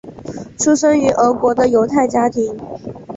出生于俄国的犹太家庭。